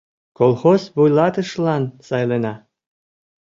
— Колхоз вуйлатышылан сайлена!